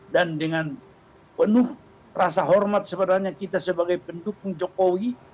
dan dengan penuh rasa hormat sebenarnya kita sebagai pendukung jokowi